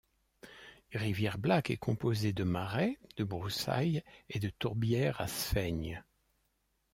Rivière-Black est composé de marais, de broussailles et de tourbières à sphaignes.